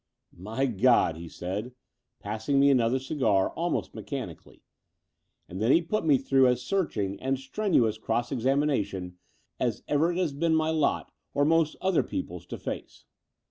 "My God," he said, passing me another cigar almost mechanically : and then he put me through as searching and strenuous cross examination as ever it has been my lot or most other people's to face.